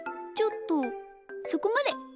ちょっとそこまで。